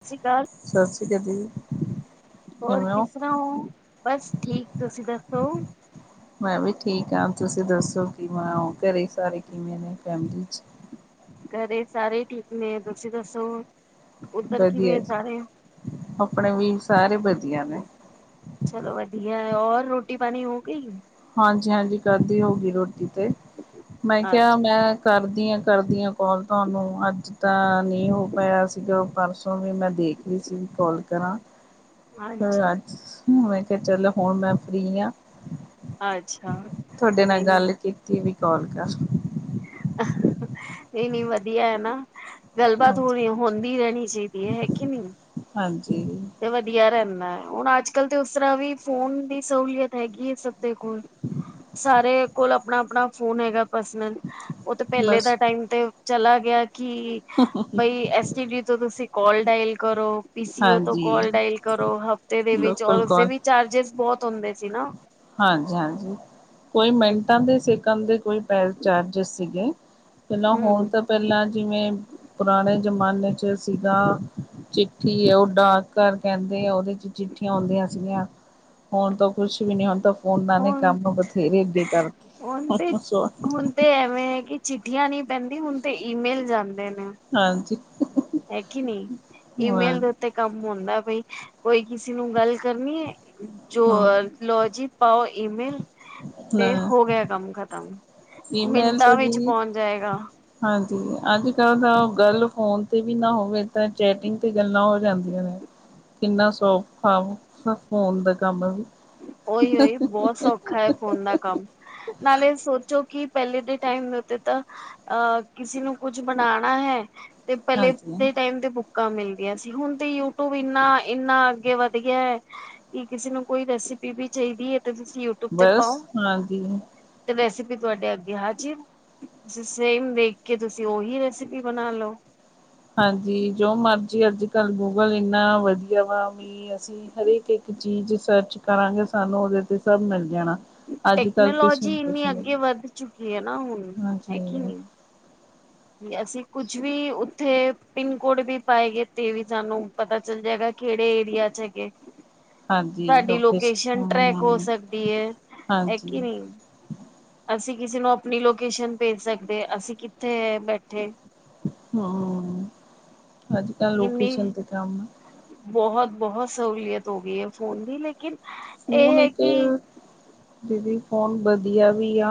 ਸਤਿ ਸ਼੍ਰੀ ਅਕਾਲ ਸਤਿ ਸ੍ਰੀ ਅਕਾਲ ਜੀ। ਹੋਰ ਕਿਸ ਤਰਾਂ ਹੋ ਬਸ ਠੀਕ ਤੁਸੀਂ ਦੱਸੋ? ਮੈਂ ਵੀ ਠੀਕ ਹਾਂ ਤੁਸੀਂ ਦੱਸੋ ਕਿਵੇਂ ਹੋ ਘਰੇ ਸਾਰੇ ਕਿਵੇਂ ਨੇ ਫੈਮਲੀ ਚ ਘਰੇ ਸਾਰੇ ਠੀਕ ਨੇ ਤੁਸੀਂ ਦੱਸੋ? ਉੱਧਰ ਵਧੀਆ ਕਿਵੇਂ ਜੀ ਸਾਰੇ ਆਪਣੇ ਵੀ ਸਾਰੇ ਵਧੀਆ ਨੇ ਚਲੋ ਵਧੀਆ ਹੋਰ ਰੋਟੀ ਪਾਣੀ ਹੋ ਗਈ? ਹਾਂਜੀ ਹਾਂਜੀ ਕਦ ਦੀ ਹੋਗੀ ਰੋਟੀ ਤੇ ਮੈਂ ਕਿਹਾ ਅੱਛਾ ਮੈਂ ਕਰਦੀ ਹਾਂ ਕਰਦੀ ਹਾਂ ਕੋਾਲ ਤੁਹਾਨੂੰ ਅੱਜ ਤਾਂ ਨਹੀਂ ਹੋ ਪਾਇਆ ਸੀਗਾ ਪਰਸੋਂ ਵੀ ਮੈਂ ਦੇਖ ਰੀ ਸੀ। ਕਾੱਲ ਕਰਾਂ? ਹਾਂਜੀ ਅੱਜ ਮੈਂ ਕਿਹਾ ਚੱਲੋ ਹੁਣ ਮੈਂ ਫ੍ਰਰੀ ਹਾਂ। ਅੱਛਾ ਤੁਹਾਡੇ ਨਹੀਂ ਨਾਲ ਨਹੀਂ ਗੱਲ ਕੀਤੀ ਵੀ ਕਾਲ ਕਰ। ਇਹ ਨੀ ਵਧੀਆ ਹੈ ਨਾ? ਗੱਲਬਾਤ ਹੋਣੀ ਹਾਂਜੀ ਹੁੰਦੀ ਰਹਿਣੀ ਚਾਹੀਦੀ ਹੈ ਹੈ ਕੇ ਨਹੀਂ? ਹਾਂਜੀ ਤੇ ਵਧੀਆ ਰਹਿੰਦਾ ਹੈ ਹੁਣ ਅੱਜ ਕੱਲ ਤੇ ਉਸ ਤਰ੍ਹਾਂ ਵੀ ਫੋਨ ਦੀ ਸਹੂਲੀਅਤ ਹੈਗੀ ਹੈ ਸਭ ਦੇ ਕੋਲ ਸਾਰੇ ਕੋਲ ਆਪਣਾ ਆਪਣਾ ਫੋਨ ਹੈਗਾ ਸ ਉਹ ਤੇ ਪਹਿਲੇ ਦਾ ਬਸ ਟਾਈਮ ਤੇ ਚਲਾ ਗਿਆ ਕਿ ਬਈ ਐਸਟੀ ਡੀ ਤੋਂ ਤੁਸੀਂ ਕੋਲ ਡਾਇਲ ਕਰੋ ਪੀਸੀ ਓ ਹਾਂਜੀ ਕਾਲ ਡਾਇਲ ਕਰੋ ਹਫਤੇ ਦੇ ਵਿੱਚ ਰ ਲੋਕਲ ਉਸਦੇ ਕੌਣ ਵੀ ਚਾਰਜਿਸ ਬਹੁਤ ਹੁੰਦੇ ਸੀ ਨਾ ਹਾਂਜੀ ਹਾਂਜੀ ਕੋਈ ਮਿੰਟਾਂ ਦੇ ਸ ਕਾਮ ਦੇ ਕੋਈ ਪੈ ਚਾਰਜਿਸ ਸੀਗੇ ਪਹਿਲਾਂ ਹੁਣ ਹੂੰ ਤਾਂ ਪਹਿਲਾਂ ਜਿਵੇਂ ਪੁਰਾਣੇ ਜ਼ਮਾਨੇ ਚ ਸੀਗਾ। ਕੀ ਉਹ ਡਾਕ ਘਰ ਕਹਿੰਦੇ ਆ ਉਹਦੇ ਚ ਚਿੱਠੀਆਂ ਆਉਂਦੀਆਂ ਸੀਗੀਆਂ ਹੁਣ ਤਾਂ ਕੁਛ। ਹੁਣ [unintelligible] ਹੁਣ ਤੇ ਹੁਣ ਤੇ ਐਵੇਂ ਹੈ ਕਿ ਚਿੱਠੀਆਂ ਨੀ ਪੈਂਦੀ ਹੁਣ ਤੇ ਈਮੇਲ ਜਾਂਦੇ ਨੇ। ਹਾਂਜੀ। ਹੈ ਕੇ ਨਹੀਂ ਈਮੇਲ ਹਾਂ ਦੇ ਉੱਤੇ ਕੰਮ ਹੁੰਦਾ ਬਈ। ਕੋਈ ਕਿਸੇ ਨੂੰ ਗੱਲ ਕਰਨੀ ਹੈ ਜੋ ਲੋਜੀ ਪਾਓ ਈਮੇਲ। ਤੇ ਹਾਂ ਹੋ ਗਿਆ ਕੰਮ ਖਤਮ। ਈਮੇਲ ਮਿੰਟਾਂ ਤੇ ਵਿੱਚ ਦੀ ਪਹੁੰਚ ਜਾਏਗਾ ਹਾਂਜੀ [unintelligible] [unintelligible] ਗੱਲ ਫੋਨ ਤੇ ਵੀ ਨਾ ਹੋਵੇ ਤਾਂ ਚੈਟਿੰਗ ਤੇ ਗੱਲਾਂ ਹੋ ਜਾਂਦੀ ਕਿੰਨਾ ਸੌਖਾ ਫੋਨ ਦਾ ਕੰਮ ਵੀ। ਉਹੀ ਉਹੀ ਬਹੁਤ ਸੌਖਾ ਹੈ ਫੋਨ ਦਾ ਕੰਮ। ਨਾਲੇ ਸੋਚੋ ਕਿ ਪਹਿਲੇ ਦੇ ਟਾਈਮ ਦੇ ਉੱਤੇ ਤਾਂ ਅਹ ਕਿਸੇ ਨੂੰ ਕੁੱਝ ਬਣਾਣਾ ਹੈ ਤੇ ਪਹਿਲੇ ਹਾਂਜੀ। ਦੇ ਟਾਈਮ ਤੇ [unintelligible] [unintelligible] ਮਿਲ ਗਯਾ ਸੀ ਹੁਣ ਤੇ ਯੂਟਊਬ ਇੰਨਾ ਇੰਨਾ ਅੱਗੇ ਵੱਧ ਗਯਾ ਹੈ ਕਿ ਕਿਸੇ ਨੂੰ ਕੋਈ ਰੈਸਿਪੀ ਵੀ ਚਾਹੀਦੀ ਹੈ ਤੇ ਤੁਸੀਂ ਯੂਟਿਊਬ ਤੇ ਬਸ ਪਾਓ ਹਾਂਜੀ। ਤੇ ਰੈਸਪੀ। ਤੁਹਾਡੇ ਅੱਗੇ ਹਾਜਿਰ ਤੇ ਸੇਮ ਦੇਖ ਕੇ ਤੁਸੀਂ ਉਹੀ ਰੈਸਿਪੀ ਬਣਾ ਲਓ। ਹਾਂਜੀ ਜੋ ਮਰਜੀ ਅੱਜ ਕੱਲ ਗੂਗਲ ਇੰਨਾ ਵਧੀਆ ਵਾ ਵੀ ਅਸੀਂ ਹਰੇਕ ਇੱਕ ਚੀਜ਼ ਸਰਚ ਕਰਾਂਗੇ ਸਾਨੂੰ ਉਹਦੇ ਤੇ ਸਭ ਮਿਲ ਜਾਣਾ। ਅੱਜ ਕੱਲ ਕਿਸੇ ਨ ਟੈਕਨੋਲੋਜੀ ਪੁੱਛ ਇੰਨੀ ਲੋ ਅੱਗੇ ਵੱਧ ਚੁੱਕੀ ਹੈ ਨਾ ਹੁਣ ਹੈ ਕਿ ਹਾਂਜੀ। ਨਹੀਂ ਅਸੀਂ ਕੁੱਝ ਵੀ ਉੱਥੇ ਪਿੰਨ ਕੋਡ ਵੀ ਪਾਏ ਗਏ ਤੇ ਵੀ ਸਾਨੂੰ ਪਤਾ ਚੱਲ ਜਾਏਗਾ ਕਿਹੜੇ ਏਰੀਆ ਚ ਹੈਗੇ ਹਾਂਜੀ ਸਾਡੀ ਲੋਕੇਸ਼ਨ ਟ੍ਰੈਕ ਹੋ ਹੂੰ ਸਕਦੀ ਹੈ। ਹੈ ਕੇ ਹਾਂਜੀ ਨਹੀਂ? ਅਸੀ ਕਿਸੇ ਨੂੰ ਆਪਣੀ ਲੋਕੇਸ਼ਨ ਭੇਜ ਸਕਦੇ ਅ ਅਸੀ ਕਿੱਥੇ ਹੈ ਬੈਠੇ। ਹਮ ਅੱਜ ਕੱਲ ਕਿੰਨੀ ਲੋਕੇਸ਼ਨ ਤੇ ਕੰਮ ਆ। ਬਹੁਤ ਬਹੁਤ ਸਹੂਲੀਅਤ ਹੋ ਗਈ ਹੈ ਫੋਨ ਦੀ ਲੇਕਿਨ ਇਹ ਫੋਨ ਹੈ ਕਿ ਇੱਕ ਦੀਦੀ ਫੋਨ ਵਧੀਆ ਵੀ ਆ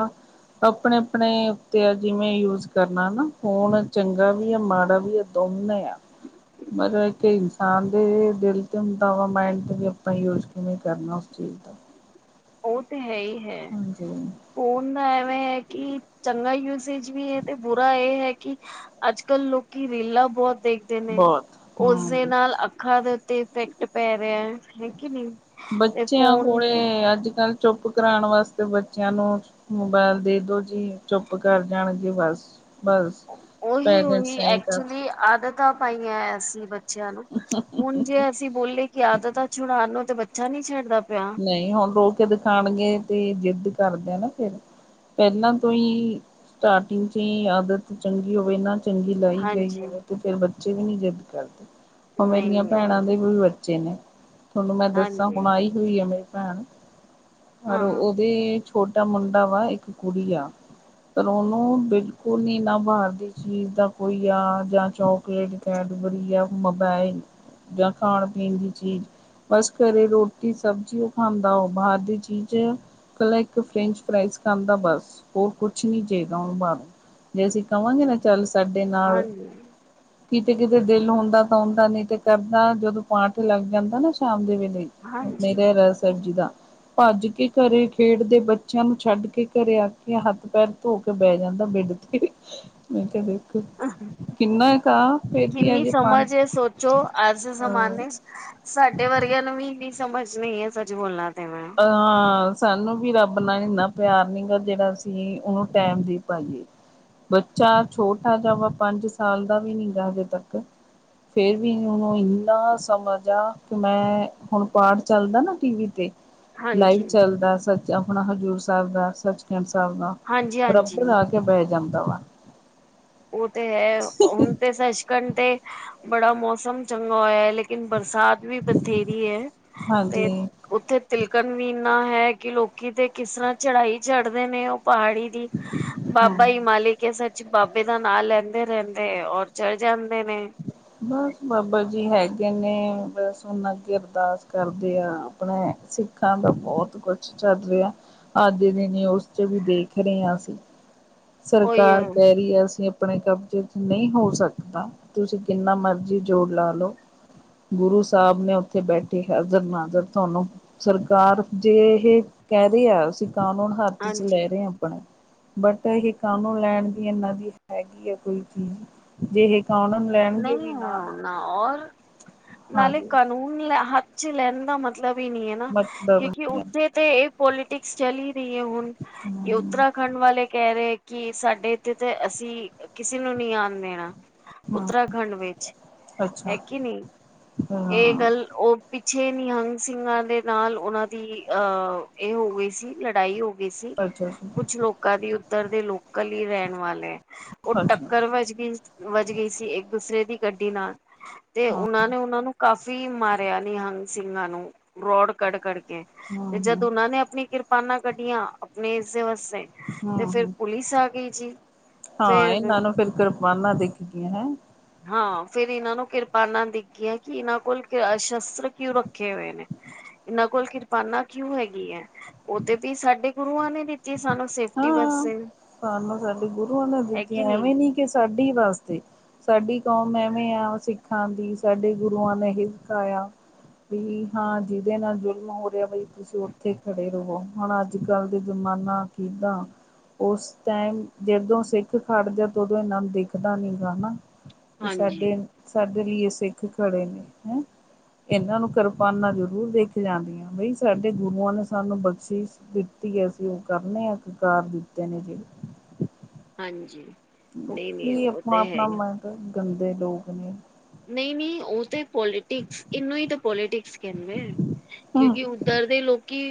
ਆਪਣੇ ਆਪਣੇ ਉੱਤੇ ਆ ਜਿਵੇਂ ਯੂਜ ਕਰਨਾ ਨਾ ਫੋਨ ਚੰਗਾ ਵੀ ਆ ਮਾੜਾ ਵੀ ਆ ਦੋਨੋ। ਉਹਨ ਆ ਮਤਲਬ ਇੱਕ ਇਨਸਾਨ ਦੇ ਦਿਲ ਤੇ ਹੁੰਦਾ ਵਾ ਮਾਇਡ ਤੇ ਵੀ ਆਪਾਂ ਹੀਵੇ ਕਰਨਾ ਉਸ ਚੀਹੀਦਾ ਉਹ ਤੇ ਹੈ ਹੀ ਹੈ ਫੋਣ ਐਵੇਂ ਕਿ ਚੰਗਾ ਯੂਜੇਜ ਵੀ ਹੈ ਤੇ ਬੁਰਾ ਇਹ ਹੈ ਕਿ ਅੱਜ ਕੱਲ ਲੋਕੀ ਰਿਲਾਂ ਬਹੁਤ ਦੇਖਦੇ ਨੇ ਬਹੁਤ ਹਮ ਉਸਦੇ ਨਾਲ ਅੱਖਾਂ ਦੇ ਉੱਤੇ ਇਫੈਕਟ ਪੈ ਰਿਹਾ ਹੈਗੀ ਨਹੀਂੀ ਬੱਚਿਆਂ ਕੋਲੇ ਅੱਜ ਕੱਲ ਚੁੱਪ ਕਰਾਉਣ ਵਾਸਤੇ ਬੱਚਿਆਂ ਨੂੰ ਮੋਬਾਇਲ ਦੇ ਦੋ ਜੀ ਚੁੱਪ ਕਰ ਜਾਣਗੇ ਬਸ। [inaudible] ਉਹੀ-ਉਹੀ ਐ ਕਰ ਐਕਚੁਲੀ ਆਦਤਾਂ ਪਾਈਆਂ ਏ ਅਸੀਂ ਬੱਚਿਆਂ ਨੂੰ ਹੁਣ ਜੇ ਅਸੀਂ ਬ ਬੋਲੇ ਕਿ ਆਦਤਾਂ ਛੁੜਾਲਓ ਤੇ ਬੱਚਾ ਨੀ ਛੱਡਦਾ। ਪਿਆ ਨਹੀਂ ਹੁਣ ਰੋ ਕੇ ਦਿਖਾਣਗੇ ਤੇ ਜਿੱਦ ਕਰਦੇ ਨਾ ਫਿਰ। ਪਹਿਲਾਂ ਤੋਂ ਹੀ ਸਟਾਰਟਿੰਗ ਚ ਹੀ ਆਦਤ ਚੰਗੀ ਹੋਵੇ ਇਹਨਾਂ ਚੰਗੀ ਲਾਈ ਗਈ ਹਾਂਜੀ। ਹੋਵੇ ਤੇ ਫਿਰ ਬੱਚੇ ਵੀ ਨੀ ਜਿੱਦ ਕਰਦੇ। ਓ ਮੇਰੀਆਂ ਨਹੀਂ-ਨਹੀਂ ਹੋ ਭੈਣਾਂ ਰਿਹਾ ਦੇ ਵੀ ਬੱਚੇ ਨੇ। ਤੁਹਾਨੂੰ ਮੈਂ ਦੱਸਾਂ ਹਾਂਜੀ ਹੁਣ ਆਈ ਹੋਈ ਆ ਮੇਰੀ ਭੈਣ ਹਾਂ ਪਰ ਉਹਦੇ ਛੋਟਾ ਮੁੰਡਾ ਵਾ ਇੱਕ ਕੁੜੀ ਆ। ਪਰ ਉਹਨੂੰ ਬਿਲਕੁਲ ਨੀਂ ਨਾ ਬਾਹਰ ਦੀ ਚੀਜ਼ ਦਾ ਕੋਈ ਆ ਜਾਂ ਚੋਕਲੇਟ ਕਹਿ ਵਧੀਆ ਮੋਬਾਇਲ ਜਾਂ ਖਾਣ ਪੀਣ ਦੀ ਚੀਜ਼ ਬਸ ਘਰੇ ਰੋ ਕਿ ਸਬਜ਼ੀ ਉਹ ਖਾਂਦਾ ਉਹ ਬਾਹਰ ਦੀ ਚੀਜ਼ ਕੱਲਾ ਇੱਕ ਫਰੈਂਚ ਫਰਾਈਜ ਖਾਂਦਾ ਬਸ ਹੋਰ ਕੁਛ ਨਹੀਂ ਚਾਹੀਦਾ ਉਹਨੂੰ ਬਰੋਂ। ਜੇ ਅਸੀਂ ਕਵਾਂਗੇ ਨਾ ਚੱਲ ਸਾਡੇ ਨਾਲ। ਹਾਂਜੀ-ਹਾਂਜੀ। ਕਿਤੇ ਕਿਤੇ ਦਿਲ ਹੁੰਦਾ ਤਾਂ ਹੁੰਦਾ ਨੀ ਤੇ ਕਰਦਾ ਜਦੋਂ ਪਾਠ ਲੱਗ ਜਾਂਦਾ ਨਾ ਸ਼ਾਮ ਦੇ ਵੇਲੇ ਨਹੀਂ ਤੇ ਰਹਰਾਸ ਸਾਹਿਬ ਜੀ ਦਾ। ਭੱਜ ਕੇ ਘਰੇ ਖੇਡਦੇ ਬੱਚਿਆਂ ਨੂੰ ਛੱਡ ਕੇ ਘਰੇ ਆ ਕੇ ਹੱਥ ਪੈਰ ਧੋ ਕੇ ਬਹਿ ਜਾਂਦੇ। ਬੈਡ ਦੇ ਵਿੱਚ ਮੈਂ ਕਿਹਾ ਵੇਖ ਕਿੰਨਾ ਕਾ। ਕਿੰਨੀ ਸਮਝ ਏ ਸੋਚੋ ਅੱਜ ਜੈ ਅਹ ਜਮਾਨੇ ਚ ਸਾਡੇ ਵਰਗਿਆਂ ਨੂੰ ਵੀ ਇਨੀ ਸਮਝ ਨਈ ਏ ਸੱਚ ਬੋਲਾ ਅਅ ਸਾਨੂੰ ਵੀ ਰੱਬ ਨਾ ਏਨਾ ਪਿਆਰ ਨਿਗਾ ਜਿੜਾ ਅਸੀ ਓਨੂੰ ਟੈਮ ਦੇ ਪਾਈਏ। ਬੱਚਾ ਛੋਟਾ ਜਵਾ ਪੰਜ ਸਾਲ ਦਾ ਵੀ ਨੀ ਗਾ ਹਜੇ ਤੱਕ। ਫੇਰ ਵੀ ਓਨੀ ਇਨ ਏਦਾ ਸਮਝ ਆ ਕਿ ਮੈਂ ਹੁਨ ਪਾਠ ਚੱਲਦਾ ਨਾ ਟੀਵੀ ਤੇ ਲਾਈਵ ਚੱਲਦਾ ਸੱਚ ਆਪਨਾ ਹਜ਼ੂਰ ਸੈਬ ਦਾ, ਸੱਚ ਖੰਡ ਸਾਬ ਨਾ ਹਾਂਜੀ-ਹਾਂਜੀ-ਹਾਂਜੀ। ਬਰਾਬਰ ਆ ਕੇ ਬੈ ਜਾਂਦਾ ਵਾ। ਓ ਤੇ ਐ ਹੁਨ ਤੇ ਸੱਚਖੰਤ ਤੇ ਬੜਾ ਮੌਸਮ ਚੰਗਾ ਹੋਏਆ ਲੇਕਿ ਲੇਕਿਨ ਬਰਸਾਤ ਵੀ ਬਥੇਰੀ ਹੈ, ਤੇ ਹਾਂਜੀ ਓਥੇ ਤਿਲਕਨ ਵੀ ਨਾਂ ਹੈ ਕਿ ਲੋਕੀ ਤੇ ਕਿਸ ਰਾ ਚੜਾਈ ਚੜਦੇ ਨੇ ਓ ਪਹਾੜੀ ਦੀ, ਬਾਬਾ ਈ ਮਾਲਿਕ ਏ ਸੱਚ ਬਾਬ ਹਾਂ ਲੈਂਦੇ ਰੈਂਦੇ ਓਰ ਚਰ ਜਾਂਦੇ ਨੇ। ਬਸ ਬਾਬਾ ਜੀ ਹੈਗੇ ਨੇ ਬਸ ਉਨਾ ਅੱਗੇ ਅਰਦਾਸ ਕਰਦੇ ਆ ਆਪਨੇ ਸਿੱਖਾਂ ਦਾ ਬੋਤ ਕੁਛ ਚੜ ਰਿਆ, ਅੱਜ ਦੇ ਦਿਨ ਨਿਊਜ਼ ਚ ਵੀ ਦੇਖ ਰਏ ਆ ਅਸੀਂ। [inaudible] ਸਰਕਾਰ ਹੈ ਕੈ ਰਈ ਆ ਅਸੀਂ ਅਪਨੇ ਕਬਜ਼ੇ ਚ ਨਹੀਂ ਹੋ ਸਕਦਾ। ਤੁਸੀ ਕਿੰਨਾ ਮਰਜ਼ੀ ਜੋਰ ਲਾ ਲਓ। ਗੁਰੂ ਸਾਬ ਨੇ ਓਥੇ ਬੈਠੇ ਹਾਜ਼ਰ ਨਾਜ਼ਰ ਤੁਹਾਨੂੰ ਸਰਕਾਰ ਜੇ ਹੇ ਕੈ ਰਿਆ ਆ ਸੀ ਕਾਨੂੰਨ ਹੱਥ ਚ ਹਾਂਜੀ ਲੈ ਰੇ ਆਪਣੇ। ਬਟ ਇਹ ਕਾਮ ਲੈਣ ਦੀ ਇਹਨਾਂ ਦੀ ਹੈਗੀ ਹੈ ਕੋਈ ਚੀਜ਼ ਜੇ ਏਕਾ ਉਹਨਾਂ ਨੂੰ ਲੈਣਗੇ ਨਹੀਂ ਵੀ ਨਾ। ਹੈ ਔਰ ਨਾਲੇ ਕਾਨੂੰਨ ਲ ਹੱਥ ਚ ਲੈਣ ਦਾ ਮਤਬ ਮਤਲਬ ਹੀ ਨੀ ਹੈ ਨਾ ਮਤਲਬ ਕਿਉਂਕਿ ਹਮ ਉੱਥੇ ਤੇ ਇਹ ਪੋਲੀਟਿਕਸ ਚਲੀ ਕੀ ਹੈ ਹੁਣ ਏ ਉੱਤਰਾਖੰਡ ਵਾਲੇ ਕਹਿ ਰਹੇ ਕਿ ਸਾਡੇ ਇੱਥੇ ਤੇ ਅਸੀਂ ਕਿਸੇ ਨੂੰ ਨੀ ਆਣ ਦੇਣਾ। ਹਮ ਉੱਤਰਾਖੰਡ ਵਿੱਚ ਹੈ ਅੱਛਾ ਕਿ ਨੀ। ਇਹ ਹਾਂ ਗੱਲ ਉਹ ਪਿੱਛੇ ਨਿਹੰਗ ਸਿੰਘਾਂ ਦੇ ਨਾਲ ਉਹਨਾਂ ਦੀ ਅਹ ਇਹ ਹੋ ਗਈ ਸੀ ਲੜਾਈ ਹੋ ਵੀ ਸੀ ਅੱਛਾ ਅੱਛਾ ਕੁੱਛ ਲੋਕਾਂ ਦੀ ਉੱਧਰ ਦੇ ਲੋਕਲ ਹੀ ਰਹਿਣ ਵਾਲੇ ਉਹ ਅੱਛਾ ਟੱਕਰ ਵੱਜ ਗਈ ਵੱਜ ਗਈ ਸੀ। ਇੱਕ ਦੂਸਰੇ ਦੀ ਗੱਡੀ ਨਾਲ ਤੇ ਹਾਂ ਉਹਨਾਂ ਨੇ ਉਹਨਾ ਨੂੰ ਕਾਫ਼ੀ ਮਾਰਿਆ ਨਿਹੰਗ ਸਿੰਘਾਂ ਨੂੰ ਰੋਡ ਕੱਢ ਕਢੱ ਤੇ ਹਮ ਜਦ ਹਮ ਉਹਨਾਂ ਨੇ ਆਪਣੀ ਕਿਰਪਾਨਾਂ ਕੱਢੀਆਂ ਆਪਣੇ ਇਸੇ ਵਾਸਤੇ ਹਮ ਤੇ ਫੇਰ ਹਮ ਪੁਲਿਸ ਆ ਗਈ ਜੀ ਫੇਰ ਹੈ [inaudible] ਹਾਂ ਫੇਰ ਇਹਨਾਂ ਨੂੰ ਕਿਰਪਾਨਾ ਦਿਖ ਗਿਆਂ ਕਿ ਇਹਨਾਂ ਕੋਲ ਸ਼ਸਤਰ ਕਿਉਂ ਰੱਖੇ ਹੋਏ ਨੇ। ਇਹਨਾਂ ਕੋਲ ਕਿਰਪਾਨਾ ਕਿਉਂ ਹੈਗੀ ਐ ਉਹ ਤੇ ਵੀ ਸਾਡੇ ਗੁਰੂਆਂ ਨੇ ਦਿੱ ਸਾਨੂੰ ਸੇਫਟੀ ਹਾਂ ਵਸਤੇ ਵੀ ਸਾਨੂੰ ਸਾਡੇ ਗੁਰੂਆਂ ਨੇ ਦਿੱਤੀਆਂ ਐਵੇਂ ਨੀ ਕਿ ਸਾਡੀ ਵਾਸਤੇ ਸਾਡੀ ਕੌਮ ਐਵੇਂ ਆ ਸਿੱਖਾਂ ਦੀ ਸਾਡੇ ਗੁਰੂਆਂ ਨੇ ਹੀ ਸਿਖਾਏਆ ਵੀ ਹਾਂ ਜਿਦੇ ਨਾਲ ਜ਼ੁਲਮ ਹੋ ਰਿਆ ਬਈ ਤੁਸੀ ਓਥੇ ਖੜੇ ਰਵੋ ਹੁਣ ਅੱਜ-ਕੱਲ ਦੇ ਜ਼ਮਾਨਾ ਕਿਦਾਂ ਉਸ ਟਾਈਮ ਜਦੋਂ ਸਿੱਖ ਖੜ ਜਾ ਤਾਂ ਉਦੋਂ ਇਹਨਾ ਨੂੰ ਦਿਖਦਾ ਨੀ ਗਾ ਹਨਾ ਤੇ ਹਾਂਜੀ ਸਾਡੇ ਸਾਡੇ ਲਈ ਸਿੱਖ ਖੜੇ ਨੇ ਹੈਂ ਇਹਨਾਂ ਨੂੰ ਕਰਪਾਨਾ ਜ਼ਰੂਰ ਦੇਖ ਜਾਂਦੀਆਂ ਬਈ ਸਾਡੇ ਗੁਰੂਆਂ ਨੇ ਸਾਨੂੰ ਬਖਸ਼ਿਸ਼ਤੀ ਅਸੀਂ ਉਹ ਕਰਨੇ ਆਕਾਰ ਦਿੱਤੇ ਨੇ ਜਿ ਹਾਂਜੀ ਨਹੀਂ ਨਹੀਂ ਲੋਕੀ ਉਹ ਆਪਣਾ ਤੇ ਹੈ ਆਪਣਾ ਹੀ ਮਨ ਗੰਦੇ ਲੋਕ ਨੇ ਨਹੀਂ ਨਹੀਂ ਉਹ ਤੇ ਪੋਲੀਟਿਕਸ ਇਹਨੂੰ ਹੀ ਤਾਂ ਪੋਲੀਟਿਕਸ ਕਹਿੰਦੇ ਹਮ ਕਿਉਂਕਿ ਉੱਧਰ ਦੇ ਲੋਕੀ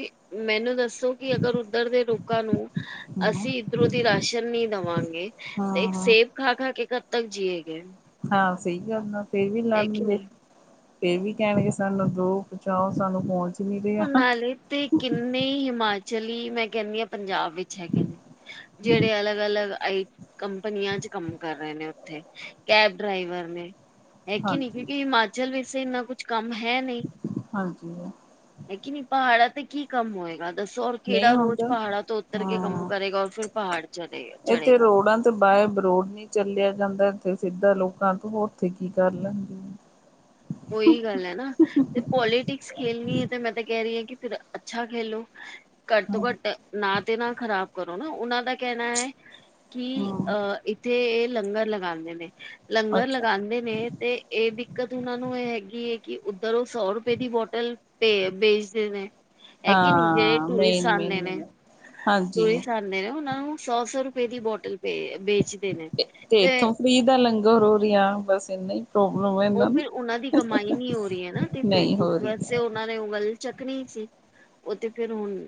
ਮੈਨੂੰ ਦੱਸ ਦੱਸੋ ਕਿ ਅਗਰ ਉੱਧਰ ਦੇ ਲੋਕਾਂ ਨੂੰ ਹਮ ਅਸੀਂ ਇੱਧਰੋਂ ਦੀ ਰਾਸ਼ਨ ਨ ਦੇਵਾਂਗੇ ਤੇ ਹਾਂ ਇੱਕ ਹਾਂ ਸੇਬ ਖਾ ਖਾ ਕੇ ਕਦ ਤੱਕ ਜੀਏ ਗਏ ਹਾਂ ਸਹੀ ਗੱਲ ਆ ਫੇਰ ਵੀ ਕਿ ਲੜਨਗੇ ਨਹੀਂ ਤੇ ਵੀ ਕਹਿਣਗੇ ਸਾਨੂੰ ਦੋ ਪਹਚਾਓ ਸਾਨੂੰ ਪਹੁੰਚ ਨਹੀਂ ਰਿਹਾ ਉਹਨਾਲੇ ਤੇ ਕਿੰਨੇ ਹਿਮਾਚਲ ਚਲੀ ਮੈਂ ਕਹਿੰਦੀ ਹਾਂ ਪੰਜਾਬ ਵਿੱਚ ਹੈਗੇ ਨੇ ਜਿਹੜੇ ਅਲੱਗ ਅਲੱਗ ਆਈ ਕੰਪਨੀਆਂ ਚ ਕੰਮ ਕਰ ਰਹੇ ਨੇ ਉੱਥੇ ਕੈਬ ਡਰਾਈਵਰ ਨੇ ਹੈ ਕਿ ਨਹੀਂ ਹਾਂਜੀ ਕਿਉਂਕਿ ਹਿਮਾਚਲ ਵੇਸੇ ਇੰਨਾ ਕੁਛ ਕੰਮ ਹੈ ਨਹੀਂ ਹਾਂਜੀ ਹੈ ਕਿ ਨਹੀਂ ਪਹਾੜਾਂ ਤੇ ਕੀ ਕੰਮ ਹੋਏਗਾ ਦੱਸੋ ਔਰ ਕਿਹੜਾ ਨਹੀਂ ਰੋਜ਼ ਹੁੰਦਾ ਪਹਾੜਾਂ ਤੋਂ ਉੱਤਰ ਕੇ ਕੰਮ ਹਾਂ ਕਰੇਗਾ ਔਰ ਫਿਰ ਪਹਾੜ ਚੜੇਗਾ ਇੱਥੇ ਚੜੇਗਾ ਰੋਡਾਂ ਤੇ ਬਾਏ ਬਰੋਡ ਨੀ ਚੱਲਿਆ ਜਾਂਦਾ। ਸਿੱਧਾ ਲੋਕਾਂ ਤੋਂ ਉੱਥੇ ਕੀ ਕਰ ਲਣਗੇ ਉਹੀ ਗੱਲ ਹੈ ਨਾ ਤੇ ਪੋਲੀਟਿਕਸ ਖੇਲਣੀ ਹੈ ਤੇ ਮੈਂ ਤਾਂ ਕਹਿ ਰਹੀ ਹਾਂ ਕਿ ਫਿਰ ਅੱਛਾ ਖੇਲੋ ਘੱਟ ਤੋਂ ਘੱਟ ਨਾ ਨਾ ਖ਼ਰਾਬ ਕਰੋ ਨਾ ਉਹਨਾਂ ਦਾ ਕਹਿਣਾ ਹੈ ਕਿ ਹਮ ਹ ਇੱਥੇ ਲੰਗਰ ਲਗਾਂਦੇ ਨੇ ਲੰਗਰ ਅੱਛਾ ਲਗਾਂਦੇ ਨੇ ਤੇ ਐ ਦਿੱਕਤ ਉਹਨਾਂ ਨੂੰ ਇਹ ਹੈਗੀ ਹੈ ਕਿ ਉੱਧਰ ਉਹ ਸੌ ਰੁਪਏ ਦੀ ਬੋਟਲ ਵੇਚਦੇ ਨੇ। ਹੈ ਕਿ ਨੀ ਜੇ ਹਾਂ ਟੂਰਿਸਟ ਮੇਨ ਆਉਂਦੇ ਨੇ ਮੇਨ ਹਾਂਜੀ ਟੂਰਿਸਟ ਆਉਂਦੇ ਨੇ ਨੂੰ ਸੌ ਸੌ ਰੁਪਏ ਦੀ ਬੋਟਲ ਭੇ ਵੇਚਦੇ ਨੇ ਤੇ ਇੱਥੋਂ ਫਰੀ ਦਾ ਲੰਗਰ ਹੋ ਰਿਹਾ ਹਾ ਬਸ ਇੰਨਾ ਹੀ ਪ੍ਰੋਬਲਮ ਹੈ ਉਹ ਇਹਨਾਂ ਨੂੰ ਫਿਰ ਉਹਨਾਂ ਦੀ ਕਮਾਈ ਨਹੀਂ ਹੋ ਰਹੀ ਹੈ ਨਾ ਤੇ ਫਿਰ ਰ ਨਹੀਂ ਇਸ ਹੋ ਰਹੀ ਵਾਸਤੇ ਉਹ ਨੇ ਉਹ ਗੱਲ। ਚੱਕਣੀ ਸੀ ਉਹ ਤੇ ਫੇਰ ਹੁਣ।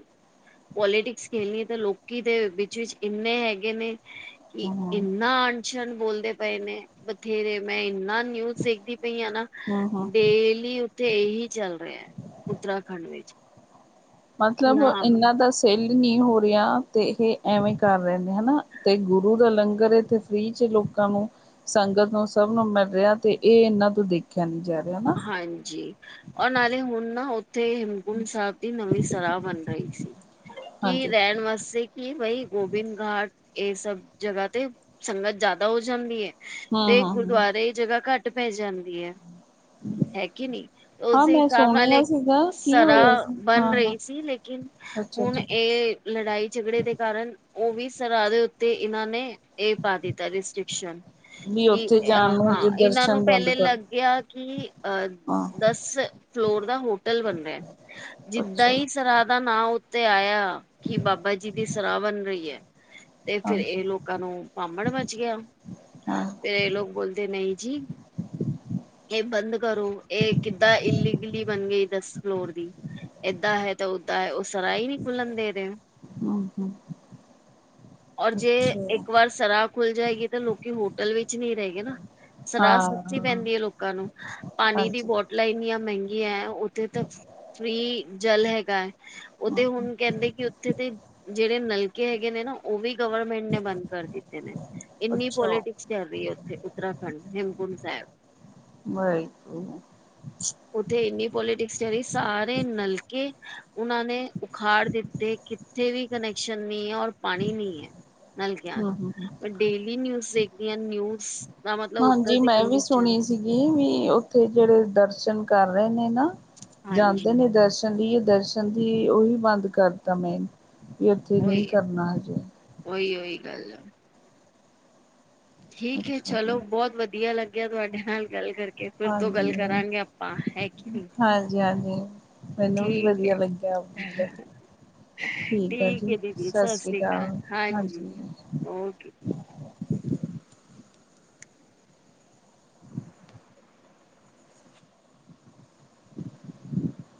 ਪੋਲੀਟਿਕਸ ਖੇਣੀਏ ਤਾਂ ਲੋਕੀ ਦੇ ਵਿੱਚ ਵਿਚ ਇੰਨੇ ਹੈਗੇ ਨੇ ਕਿ ਹਮ ਇੰਨਾ ਅਣਛਣ ਬੋਲਦੇ ਪਏ ਨੇ ਬਥੇਰੇ ਮੈਂ ਇੰਨਾ ਸਿੱਖਦੀ ਪਈ ਆ ਨਾ ਹਮ ਹਮ ਡੇਲੀ ਉੱਥੇ ਇਹੀ ਚੱਲ ਰਿਹਾ। ਉਤਰਾਖੰਡ ਵਿੱਚ ਕਿ ਮਤਲਬ ਹਾਂ ਇਹਨਾ ਦਾ ਸੇਲ ਨਹੀਂ ਹੋ ਰਿਹਾ ਤੇ ਇਹ ਐਵੇਂ ਕਰ ਰਹੇ ਹਨਾ। ਤੇ ਗੁਰੂ ਦਾ ਲੰਗਰ ਇੱਥੇ ਫੀ ਚ ਲੋਕ ਲੋਕਾਂ ਨੂੰ ਸੰਗਤ ਨੂੰ ਸਭ ਨੂੰ ਮਿਲ ਰਿਹਾ ਤੇ ਇਹ ਇਹਨਾਂ ਤੋਂ ਦੇਖਿਆ ਨੀ ਜਾ ਰਿਹਾ ਨਾ ਹਾਂਜੀ। ਉਹ ਨਾਲੇ ਹੁਣ ਨਾ ਤੇ ਹਿਮਕੁੰਟ ਸਾਹਿਬ ਦੀ ਨਵੀਂ ਸਲਾਹ ਬਣ ਰਹੀ ਸੀ। ਕੀ ਹਾਂਜੀ ਰਹਿਣ ਵਾਸਤੇ ਕੀ ਬਈ ਗੋਬਿੰਦ ਘਾਟ। ਇਹ ਸਭ ਜਗ੍ਹਾ ਤੇ ਸੰਗਤ ਜ਼ਿਆਦਾ ਹੋ ਜਾਂਦੀ ਹੈ। ਤੇ ਹਮ ਹਮ ਹਮ ਗੁਰਦੁਆਰੇ ਜਗ੍ਹਾ ਘੱਟ ਠੰਡ ਪੈ ਜਾਂਦੀ ਹੈ। ਹੈਗੀ ਨੀ ਹਾਂ ਉਸਦੇ ਮੈਂ ਹਿਸਾਬ ਨਾਲ ਸੁਣਿਆ ਸੀਗਾ ਕੀ ਹੋਇਆ ਸਰਾਹ ਸੀ ਬਣ ਹਾਂ ਹਾਂ ਰਹੀ ਸੀ। ਲੇਕਿਨ ਅੱਛਾ ਹੁਣ ਅੱਛਾ ਇਹ ਲੜਾਈ- ਝਗੜੇ ਦੇ ਕਾਰਨ ਉਹ ਵੀ ਸਰਾਹ ਦੇ ਉੱਤੇ ਇਹਨਾਂ ਨੇ ਇਹ ਪਾ ਦਿੱਤਾ ਰਿਸਟ੍ਰਿਕਸ਼ਨ। ਵੀ ਕਿ ਉੱਥੇ ਜਾਣ ਨੂੰ ਹਾਂ, ਹਜੇ ਇਹਨਾਂ ਨੂੰ ਦਰਸ਼ਨ ਬੰਦ ਪਹਿਲੇ ਕਰ ਲੱਗਿਆ। ਅ ਹਾਂ ਦਸ ਫਲੋਰ ਦਾ ਹੋਟਲ ਬਣ ਰਿਹਾ। ਜਿੱਦਾਂ ਅੱਛਾ ਹੀ ਸਰਰਾਦ ਨਾਂ ਉੱਤੇ ਆਇਆ। ਕਿ ਬਾਬਾ ਜੀ ਦੀ ਸਰਾਹ ਬਣ ਰਹੀ ਹੈ। ਤੇ ਫੇਰ ਹਾਂਜੀ ਇਹ ਲੋਕਾਂ ਨੂੰ ਭਬੜ ਮਚ ਗਿਆ। ਹਾਂ ਫੇਰ ਇਹ ਲੋਕ ਬੋਲਦੇ ਨਹੀਂ ਜੀ। ਇਹ ਬੰਦ ਕਰੋ। ਇਹ ਕਿੱਦਾਂ ਇਲੀ- ਗਿੱਲੀ ਬਣ ਗਈ ਦਸ ਫਲੋਰ ਦੀ। ਏਦਾਂ ਹੈ ਤਾਂ ਓਦਾਂ ਹੈ। ਉਹ ਸਰਾ ਹੀ ਨਹੀਂ ਖੁੱਲਣ ਦੇ ਰਹੇ। ਹਮ ਹਮ। ਔਰ ਜੇ ਅੱਛਾ ਇੱਕ ਵਾਰ ਸਰਾ ਖੁੱਲ ਜਾਏਗੀ। ਤਾਂ ਲੋਕੀ ਹੋਟਲ ਵਿੱਚ ਨਹੀਂ ਰਹੇ ਗਏ ਨਾ। ਸਰਾਹ ਸਸਤੀ ਹਾਂ ਪੈਂਦੀ ਹੈ ਲੋਕਾਂ ਨੂੰ, ਪਾਣੀ ਦੀ ਹਾਂਜੀ ਬੋਟਲਾਂ ਇੰਨੀਆਂ ਮਹਿੰਗੀਆਂ ਹੈ। ਉੱਥੇ ਤਾਂ ਫ੍ਰਰੀ ਜਲ ਹੈਗਾ ਹੈ। ਉਹ ਤੇ ਹਮ ਹੁਣ ਕਹਿੰਦੇ ਕਿ ਉੱਥੇ ਤੇ ਜਿਹੜੇ ਨਲਕੇ ਹੈਗੇ ਨੇ ਨਾ ਉਹ ਵੀ ਗਵਰਮੈਂਟ ਨੇ ਬੰਦ ਕਰ ਦਿੱਤੇ ਨੇ। ਇੰਨੀ ਅੱਛਾ ਪੋਲੀਟਿਕਸ ਚੱਲ ਰਹੀ ਹੈ ਉੱਥੇ ਉੱਤਰਾਖੰਡ, ਹੇਮਕੁੰਟ ਸਾਹਿਬ। ਬਾਈਕ। ਉੱਥੇ ਇੰਨੀ ਪੋਲੀਟਿਕਸ ਸਾਰੇ ਨਲਕੇ ਉਹਨਾਂ ਨੇ ਉਖਾੜ ਦਿੱਤੇ। ਕਿੱਥੇ ਵੀ ਕਨੈਕਸ਼ਨ ਨਹੀਂ ਹੈ ਔਰ ਪਾਣੀ ਨ ਹੈ ਨਲਕਿਆਂ ਹਮ ਹਮ ਹਮ ਚਾ। ਮੈਂ ਡੇਲੀ ਨਿਊਜ਼ ਦੇਖਦੀ ਹਾਂ ਨਿਊਜ਼ ਦਾ ਮਤਲਬ ਉੱਧਰ ਹਾਂਜੀ। ਦੀ ਮੈਂ ਵੀ ਕੰਡੀਸ਼ਨ ਸੁਣੀ ਸੀਗੀ ਵੀ ਉੱਥੇ ਜਿਹੜੇ ਦਰਸ਼ਨ ਕਰ ਰਹੇ ਨੇ ਨਾ ਹਾਂਜੀ ਜਾਂਦੇ ਨੇ ਦਰਸ਼ਨ ਲਈ ਦਰਸ਼ਨ ਦੀ ਉਹੀ ਬੰਦ ਕਰ ਦਿੱਤਾ ਮੈਂਨ ਉੱਥੇ ਨਹੀਂ ਉਹੀ ਕਰਨਾ ਹਜੇ। [inaudible] ਠੀਕ ਹੈ। ਅੱਛਾ ਜੀ ਚਲੋ ਬਹੁਤ ਵਧੀਆ ਲੱਗਿਆ ਤੁਹਾਡੇ ਨਾਲ ਗੱਲ ਕਰੀ। ਫਿਰ ਤੋਂ ਗੱਲ ਹਾਂਜੀ ਕਰਾਂਗੇ ਆਪਾਂ, ਹੈ ਕਿ ਨਹੀਂ। ਹਾਂਜੀ ਹਾਂਜੀ ਮੈਨੂੰ ਵੀ ਠੀਕ ਵਧੀਆ ਹੈ ਲੱਗਿਆ। ਆਪ ਕਰ ਠੀਕ ਦੀਦੀ ਸਤਿ ਸ੍ਰੀ ਅਕਾਲ। ਹਾਂਜੀ, ਓਕੇ। [inaudible] ਹ।